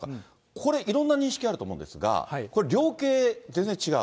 これ、いろんな認識あると思うんですが、これ、量刑、全然違う？